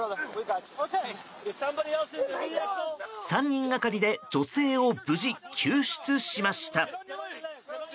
３人がかりで女性を無事、救出しました。